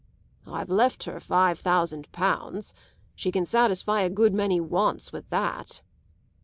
"I've left her five thousand pounds. She can satisfy a good many wants with that."